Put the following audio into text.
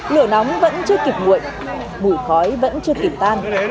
lửa nóng vẫn chưa kịp muộn khói vẫn chưa kịp tan